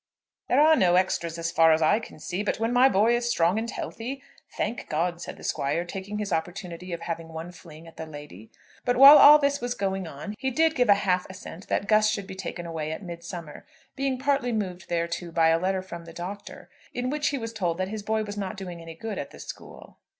"There are no extras, as far as I can see. But then my boy is strong and healthy, thank God," said the squire, taking his opportunity of having one fling at the lady. But while all this was going on, he did give a half assent that Gus should be taken away at midsummer, being partly moved thereto by a letter from the Doctor, in which he was told that his boy was not doing any good at the school.